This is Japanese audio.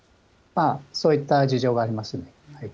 そういった事情がありますね。